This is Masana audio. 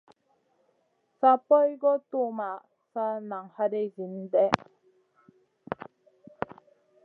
Sa poy guʼ tuwmaʼna, sa nan haday zinzi lèh.